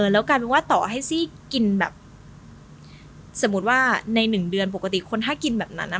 แล้วกลายเป็นว่าต่อให้ซี่กินแบบสมมุติว่าในหนึ่งเดือนปกติคนถ้ากินแบบนั้น